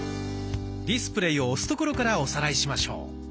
「ディスプレイ」を押すところからおさらいしましょう。